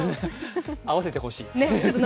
合わせてほしい。